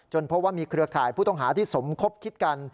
เพราะว่ามีเครือข่ายผู้ต้องหาที่สมคบคิดกัน